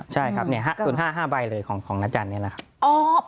ใช่ครับ๐๕ห้าใบเลยของนักจันทร์นี้แหละครับ